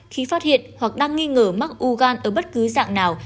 khi phát hiện hoặc đang nghi ngờ mắc u gan ở bất cứ dạng nào